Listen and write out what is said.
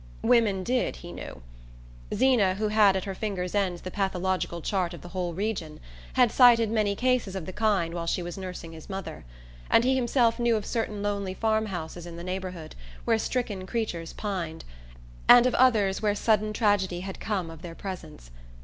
Women did, he knew. Zeena, who had at her fingers' ends the pathological chart of the whole region, had cited many cases of the kind while she was nursing his mother; and he himself knew of certain lonely farm houses in the neighbourhood where stricken creatures pined, and of others where sudden tragedy had come of their presence.